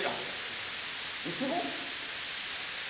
イチゴ？